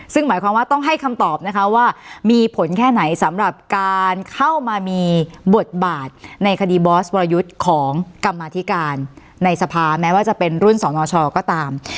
ซึ่งหมายความว่าต้องให้คำตอบนะคะว่ามีผลแค่ไหนสำหรับการเข้ามามีบทบาทในคดีบอสวรยุทธ์ของกรรมธิการในสภาแม้ว่าจะเป็นรุ่นสนชก็ตาม